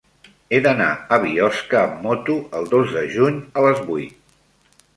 He d'anar a Biosca amb moto el dos de juny a les vuit.